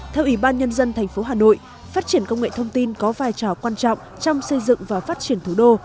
theo ủy ban nhân dân thành phố hà nội phát triển công nghệ thông tin có vai trò quan trọng trong xây dựng và phát triển thủ đô